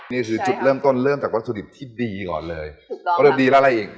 นี่คือจุดเริ่มต้นเริ่มจากวัตถุดิบที่ดีก่อนเลยวัตถุดิบดีแล้วอะไรอีก